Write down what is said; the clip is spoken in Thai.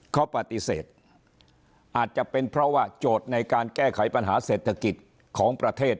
เขาปฏิเสธอาจจะเป็นเพราะว่าโจทย์ในการแก้ไขปัญหาเศรษฐกิจของประเทศ